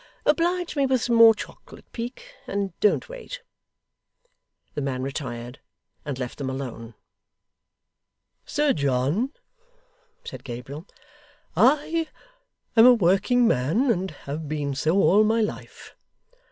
Oblige me with some more chocolate, Peak, and don't wait.' The man retired, and left them alone. 'Sir John,' said Gabriel, 'I am a working man, and have been so, all my life.